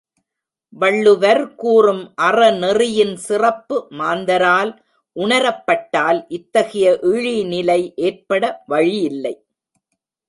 வள்ளுவர் கூறும் அறநெறியின் சிறப்பு மாந்தரால் உணரப்பட்டால் இத்தகைய இழிநிலை ஏற்பட வழியில்லை.